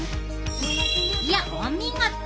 いやお見事！